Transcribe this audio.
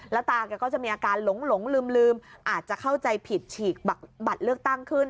ตาแกก็จะมีอาการหลงลืมอาจจะเข้าใจผิดฉีกบัตรเลือกตั้งขึ้น